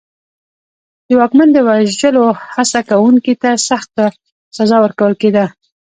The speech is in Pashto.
د واکمن د وژلو هڅه کوونکي ته سخته سزا ورکول کېده.